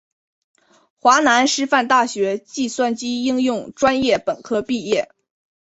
华南师范大学计算机应用专业本科毕业。